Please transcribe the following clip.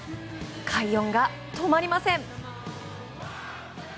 快音が止まりません！